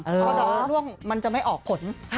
เพราะว่าถ้าล่วงมันจะไม่ออกผล